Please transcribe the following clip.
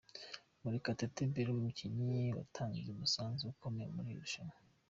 Murekatetet Bella umukinnyi watanze umusanzu ukomeye muri iri rushanwa .